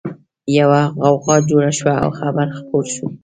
يوه غوغا جوړه شوه او خبر خپور شو